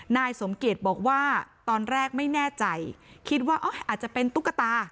นายสมเกียจบอกว่าตอนแรกไม่แน่ใจคิดว่าอาจจะเป็นตุ๊กตา